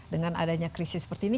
dengan adanya krisis seperti ini